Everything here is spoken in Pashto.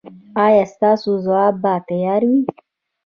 ایا ستاسو ځواب به تیار وي؟